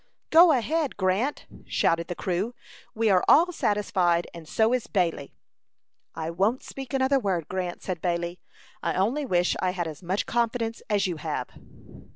"Go ahead, Grant!" shouted the crew. "We are all satisfied, and so is Bailey." "I won't speak another word, Grant," said Bailey. "I only wish I had as much confidence as you have."